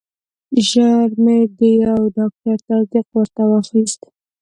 ژر مې د یو ډاکټر تصدیق ورته واخیست.